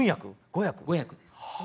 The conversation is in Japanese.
５役ですね。